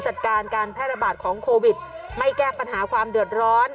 จัดการการแพร่ระบาดของโควิดไม่แก้ปัญหาความเดือดร้อน